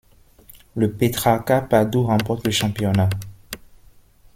Le Petrarca Padoue remporte le championnat.